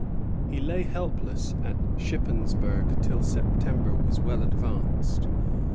He lay helpless at Shippensburg till September was well advanced.